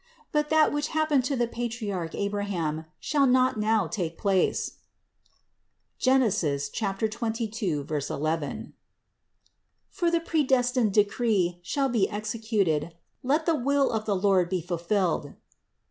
But that which happened to the patriarch Abraham, shall not now take place (Gen. 22, 11) ; for the predestined decree shall be exe cuted. Let the will of the Lord be fulfilled."